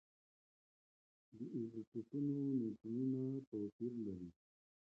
د ایزوټوپونو نیوټرونونه توپیر لري.